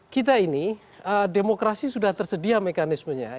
kita ini demokrasi sudah tersedia mekanismenya